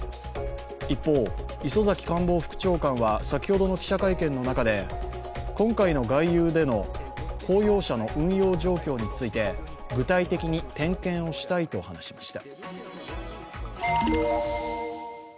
一方、磯崎官房副長官は先ほどの記者会見の中で今回の外遊での公用車の運用状況について具体的に点検をしたいと話しました。